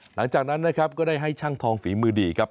หลังจากนั้นนะครับก็ได้ให้ช่างทองฝีมือดีครับ